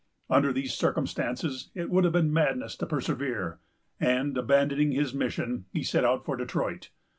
Under these circumstances, it would have been madness to persevere; and, abandoning his mission, he set out for Detroit.